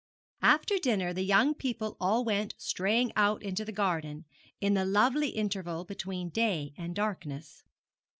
After dinner the young people all went straying out into the garden, in the lovely interval between day and darkness.